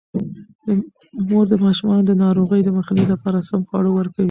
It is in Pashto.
مور د ماشومانو د ناروغۍ د مخنیوي لپاره سم خواړه ورکوي.